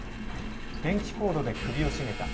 電気コードで首を絞めた。